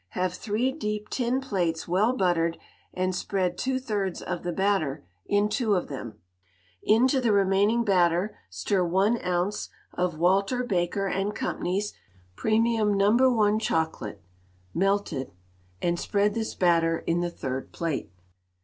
Have three deep tin plates well buttered, and spread two thirds of the batter in two of them. Into the remaining batter stir one ounce of Walter Baker & Co.'s Premium No. 1 Chocolate, melted, and spread this batter in the third plate.